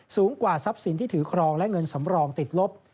สูงกว่าทรัพย์สินที่ถือครองและเงินสำรองติดลบ